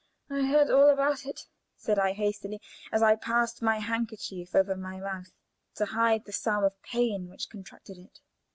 "Oh, yes! I know all about it," said I, hastily, as I passed my handkerchief over my mouth to hide the spasm of pain which contracted it.